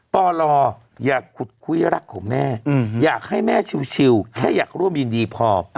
ปลอย่าขุดคุยรักของแม่อยากให้แม่ชิวแค่อยากร่วมยินดีพอ